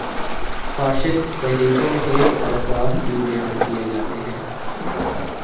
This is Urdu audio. فاشسٹ تحریکوں کے اور خواص بھی بیان کیے جاتے ہیں۔